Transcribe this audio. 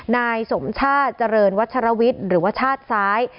นายสมชาติเจริญวัชรวิทย์หรือว่าชาติซ้าย